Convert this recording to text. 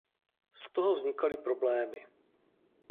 Z toho vznikaly problémy.